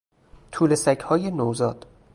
توله سگهای نوزاد